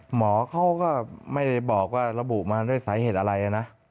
หมอเขาก็ไม่ได้บอกว่าระบุมาด้วยสาเหตุอะไรนะ